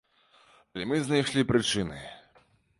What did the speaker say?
Але мы знайшлі прычыны.